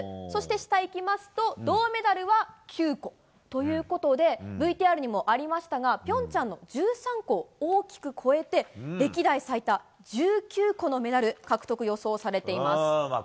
そして銅メダルは９個ということでＶＴＲにもありましたが平昌の１３個を大きく超えて歴代最多１９個のメダル獲得が予想されています。